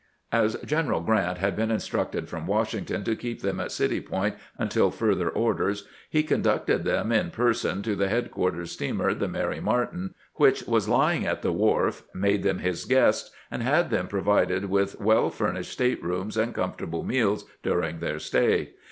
As General Grant had been instructed from Washington to keep them at City Point untU further orders, he conducted them in person to the headquarters steamer, the Mary Martin, which was lying at the wharf, made them his guests, and had them pro vided with well furnished state rooms and comfortable meals during their stay.